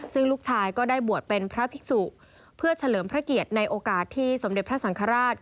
ซึ่งลูกชายก็ได้บวชเป็นพระภิกษุเพื่อเฉลิมพระเกียรติในโอกาสที่สมเด็จพระสังฆราช